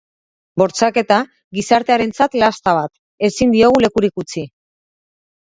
Bortxaketa gizartearentzat lasta bat, ezin diogu lekurik utzi.